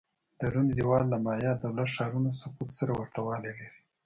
د روم زوال له مایا دولت-ښارونو سقوط سره ورته والی لري